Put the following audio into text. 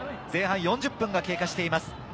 前半４０分が経過しています。